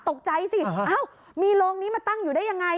ตกใจสิอ้าวมีโรงนี้มาตั้งอยู่ได้ยังไง